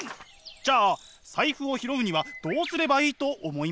じゃあ財布を拾うにはどうすればいいと思いますか？